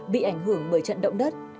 bị ảnh hưởng bởi trận động đất